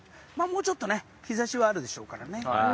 もうちょっと日差しはあるでしょうからね。